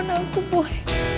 tuhan aku boy